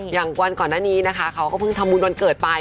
อย่างวันก่อนหน้านี้นะคะเขาก็เพิ่งทำบุญวันเกิดไป